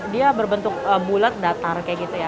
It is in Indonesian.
dia berbentuk bulat datar kayak gitu ya